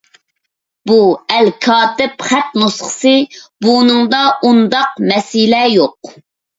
بۇ ئەلكاتىپ خەت نۇسخىسى، بۇنىڭدا ئۇنداق مەسىلە يوق.